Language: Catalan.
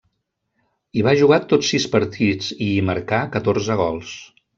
Hi va jugar tots sis partits, i hi marcà catorze gols.